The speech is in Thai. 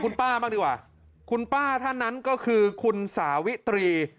คุณป้าบ้างดีกว่าคุณป้าท่านนั้นก็คือคุณสาวิตรี